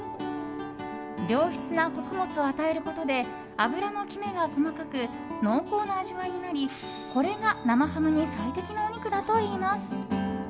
良質な穀物を与えることで脂のキメが細かく濃厚な味わいになり、これが生ハムに最適のお肉だといいます。